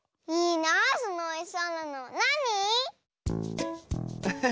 ⁉いいなあ。